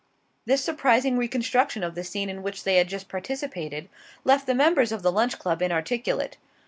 This surprising reconstruction of the scene in which they had just participated left the members of the Lunch Club inarticulate.